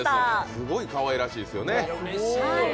すごいかわいらしいですよね。